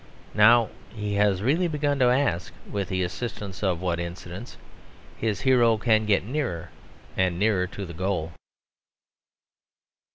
Now he has really begun to ask with the assistance of what incidents his hero can get nearer and nearer to the goal.